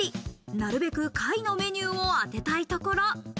なるべく下位のメニューを当てたいところ。